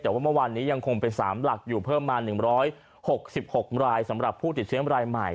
แต่ว่าเมื่อวานนี้ยังคงเป็น๓หลักอยู่เพิ่มมา๑๖๖รายสำหรับผู้ติดเชื้อรายใหม่